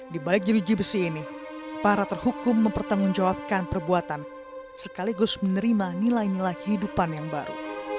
di balik jeruji besi ini para terhukum mempertanggungjawabkan perbuatan sekaligus menerima nilai nilai kehidupan yang baru